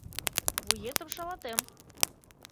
Вуетым шалатем!